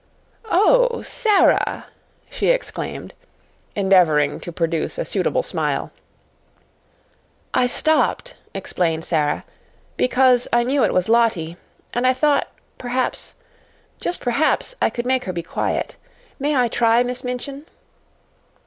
"Oh, Sara!" she exclaimed, endeavoring to produce a suitable smile. "I stopped," explained Sara, "because I knew it was Lottie and I thought, perhaps just perhaps, I could make her be quiet. May I try, Miss Minchin?"